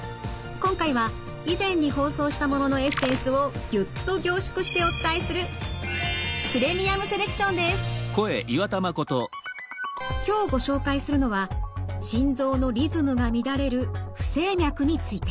今回は以前に放送したもののエッセンスをギュッと凝縮してお伝えする今日ご紹介するのは心臓のリズムが乱れる不整脈について。